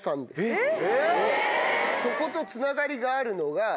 えっ！